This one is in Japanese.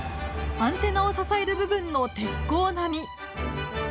アンテナを支える部分の鉄鋼並み。